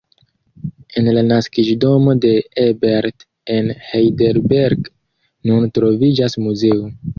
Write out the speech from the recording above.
En la naskiĝdomo de Ebert, en Heidelberg, nun troviĝas muzeo.